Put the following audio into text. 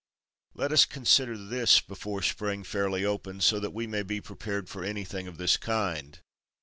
Let us consider this before Spring fairly opens, so that we may be prepared for anything of this kind.